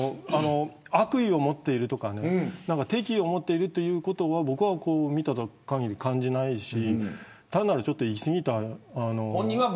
悪意を持っているとか敵意を持っているということは見た限り感じないし。